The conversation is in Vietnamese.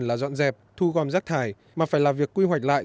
là dọn dẹp thu gom rác thải mà phải là việc quy hoạch lại